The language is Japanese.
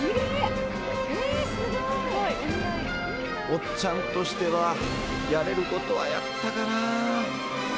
おっちゃんとしては、やれることはやったかな。